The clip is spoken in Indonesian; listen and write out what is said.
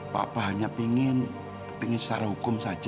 bapak hanya ingin secara hukum saja